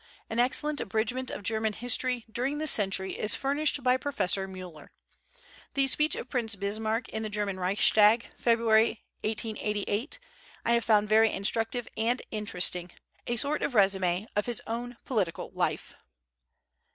An excellent abridgment of German History, during this century, is furnished by Professor Müller. The Speech of Prince Bismarck in the German Reichstag, February, 1888, I have found very instructive and interesting, a sort of resume of his own political life.